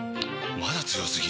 まだ強すぎ？！